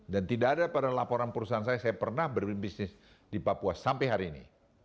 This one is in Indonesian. dan tidak ada pada laporan perusahaan saya saya pernah berbisnis di papua sampai hari ini